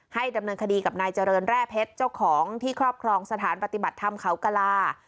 ดำเนินคดีกับนายเจริญแร่เพชรเจ้าของที่ครอบครองสถานปฏิบัติธรรมเขากลา